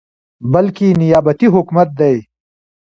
بلكې نيابتي حكومت دى ،